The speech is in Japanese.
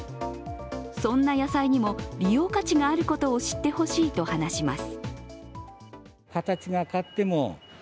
そんな野菜にも利用価値があることを知って欲しいと話します。